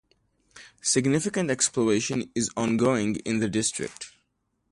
Significant exploration is ongoing in the district.